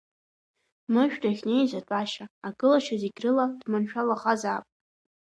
Мышә дахьнеиз атәашьа, агылашьа зегь рыла дманшәалахазаап.